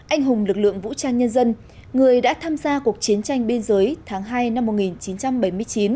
anh hùng lực lượng vũ trang nhân dân người đã tham gia cuộc chiến tranh biên giới tháng hai năm một nghìn chín trăm bảy mươi chín